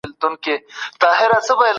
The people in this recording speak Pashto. ټول وسایل په المارۍ کي کښيښودل سول.